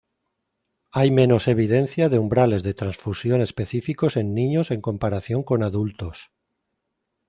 Hay menos evidencia de umbrales de transfusión específicos en niños en comparación con adultos.